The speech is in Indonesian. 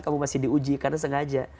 kamu masih diuji karena sengaja